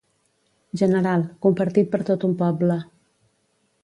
General, compartit per tot un poble.